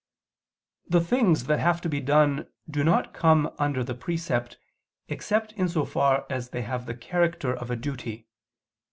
The things that have to be done do not come under the precept except in so far as they have the character of a duty.